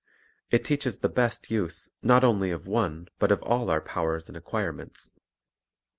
It teaches the best use not only of one but of all our powers and acquirements.